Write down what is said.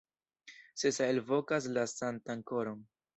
Sesa elvokas la Sanktan Koron.